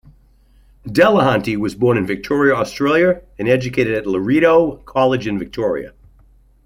Delahunty was born in Victoria, Australia and educated at Loreto College, in Victoria.